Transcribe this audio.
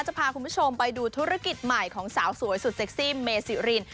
จะพาคุณผู้ชมไปดูธุรกิจใหม่ของสาวสวยสุดเซ็กซี่เมซิริน